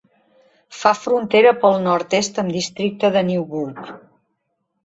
Fa frontera pel nord-est amb districte de Newburg.